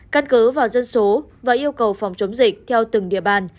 căn cứ vào dân số và yêu cầu phòng chống dịch theo từng địa bàn